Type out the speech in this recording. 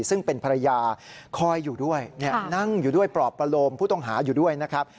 ซึ่งเป็นภรรยาคอยอยู่ด้วยนั่งอยู่ด้วยปลอบประโลมผู้ต้องหาอยู่ด้วยนะครับ